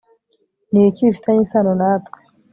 ni ibiki bifitanye isano natwe